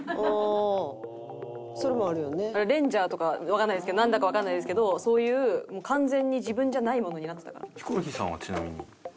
わかんないですけどなんだかわかんないですけどそういう完全に自分じゃないものになってたから。